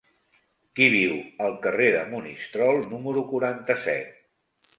Qui viu al carrer de Monistrol número quaranta-set?